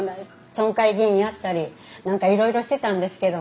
村会議員やったり何かいろいろしてたんですけどね